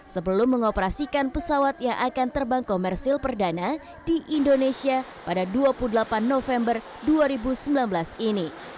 sebelum mengoperasikan pesawat yang akan terbang komersil perdana di indonesia pada dua puluh delapan november dua ribu sembilan belas ini